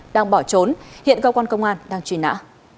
đang bỏ trốn hiện cơ quan công an đang truy nã